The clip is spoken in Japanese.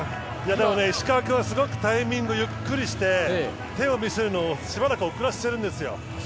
でも石川君はすごくタイミングをゆっくりにして手を見せるのを、しばらく遅らせているんですよ。